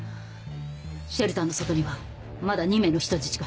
シェルターの外にはまだ２名の人質が。